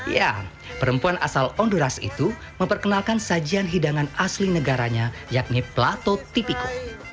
ya perempuan asal honduras itu memperkenalkan sajian hidangan asli negaranya yakni plato tipico